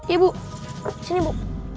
ibu sini ibu